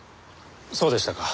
そうでしたか。